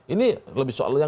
ini lebih soal miriam